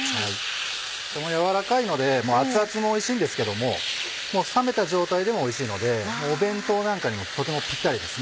とても軟らかいので熱々もおいしんですけどももう冷めた状態でもおいしいので弁当なんかにもとてもピッタリです。